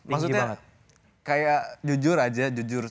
maksudnya kayak jujur aja